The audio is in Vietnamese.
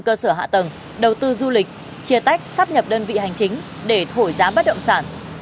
cơ sở hạ tầng đầu tư du lịch chia tách sắp nhập đơn vị hành chính để thổi giá bất động sản